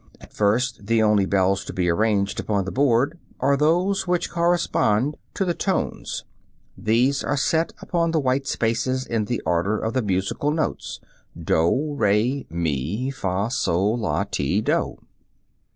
(Fig. 27.) At first the only bells to be arranged upon the board are those which correspond to the tones; these are set upon the white spaces in the order of the musical notes, doh, re, mi, fah, soh, lah, ti, doh.